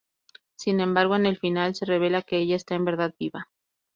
Sin embargo, en el final, se revela que ella está en verdad viva.